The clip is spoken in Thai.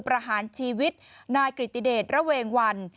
ประหารชีวิตนายกริติเดชระเวงวัน